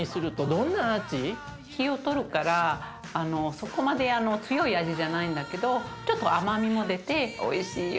そこまで強い味じゃないんだけどちょっと甘みも出ておいしいよ。